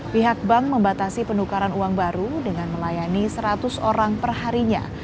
pihak bank membatasi penukaran uang baru dengan melayani seratus orang perharinya